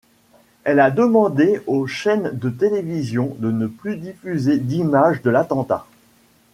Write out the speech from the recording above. Elle a demandé aux chaînes de télévision de ne plus diffuser d'images de l'attentat.